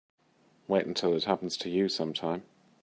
Wait until it happens to you sometime.